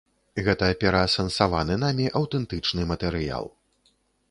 Гэта пераасэнсаваны намі аўтэнтычны матэрыял.